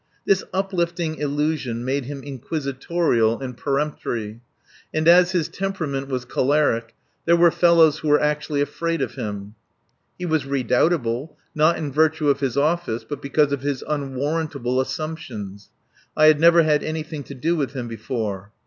This uplifting illusion made him inquisitorial and peremptory. And as his temperament was choleric there were fellows who were actually afraid of him. He was redoubtable, not in virtue of his office, but because of his unwarrantable assumptions. I had never had anything to do with him before.